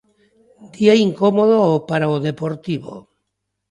Día incómodo para o Deportivo.